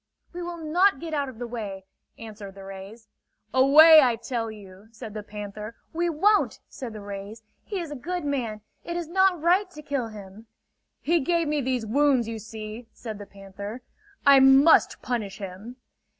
"We will not get out of the way," answered the rays. "Away, I tell you!" said the panther. "We won't!" said the rays. "He is a good man. It is not right to kill him!" "He gave me these wounds you see," said the panther. "I must punish him!"